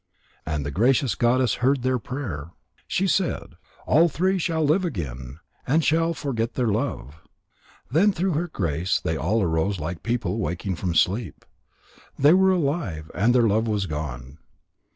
And the gracious goddess heard their prayer. She said: "All three shall live again, and shall forget their love." Then through her grace they all arose like people waking from sleep. They were alive, and their love was gone.